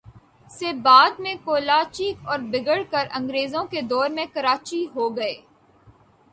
سے بعد میں کولاچی اور بگڑ کر انگریزوں کے دور میں کراچی ھو گئی